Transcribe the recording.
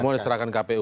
semua diserahkan kpu